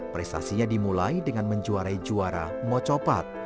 prestasinya dimulai dengan menjuarai juara mocopat